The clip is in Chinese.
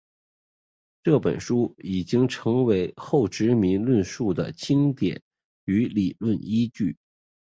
这本书已经成为后殖民论述的经典与理论依据。